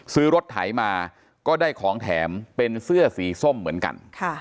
ซื้อรถไถมาก็ได้ของแถมเป็นเสื้อสีส้มเหมือนกัน